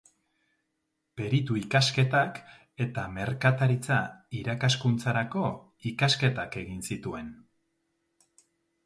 Peritu-ikasketak eta merkataritza-irakaskuntzako ikasketak egin zituen.